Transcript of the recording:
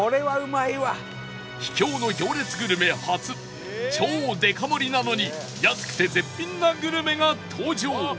秘境の行列グルメ初超デカ盛りなのに安くて絶品なグルメが登場